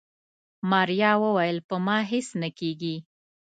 ماريا وويل په ما هيڅ نه کيږي.